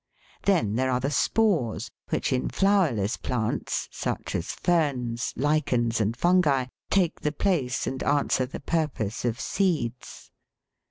Then there are the spores which, in flowerless plants such as ferns, lichens, and fungi, take the place and answer the purpose of seeds.